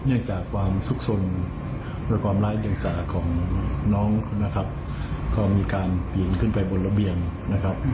จากความสุขสนและความร้ายเดียงสาของน้องนะครับก็มีการปีนขึ้นไปบนระเบียงนะครับ